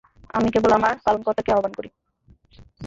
আমি কেবল আমার পালনকর্তাকেই আহ্বান করি।